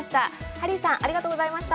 ハリーさんありがとうございました。